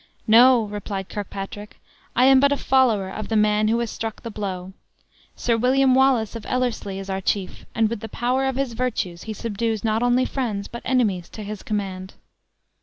"No," replied Kirkpatrick; "I am but a follower of the man who has struck the blow. Sir William Wallace of Ellerslie is our chief; and with the power of his virtues he subdues not only friends, but enemies, to his command."